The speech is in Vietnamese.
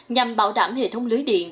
nhằm bảo đảm hệ thống lưới điện